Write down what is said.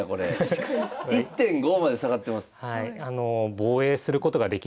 １．５まで下がってます。